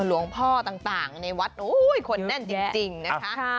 หลวงพ่อต่างในวัดคนแน่นจริงนะคะ